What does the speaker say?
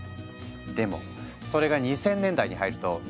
でもそれが２０００年代に入ると様相を変える。